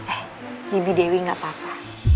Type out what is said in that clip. eh bibi dewi gak apa apa